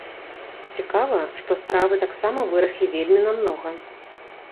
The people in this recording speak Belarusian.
Цікава, што стравы таксама выраслі вельмі намнога.